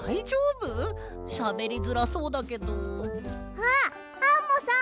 あっアンモさん！